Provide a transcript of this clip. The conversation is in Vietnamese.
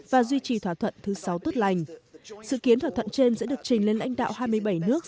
và duy trì thỏa thuận thứ sáu tốt lành sự kiến thỏa thuận trên sẽ được trình lên lãnh đạo hai mươi bảy nước